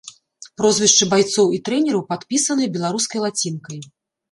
Прозвішчы байцоў і трэнераў падпісаныя беларускай лацінкай.